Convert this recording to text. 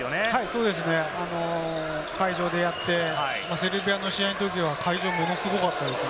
そうですね、会場でやって、セルビアの試合のときは会場、ものすごかったですよ。